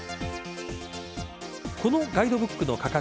このガイドブックの価格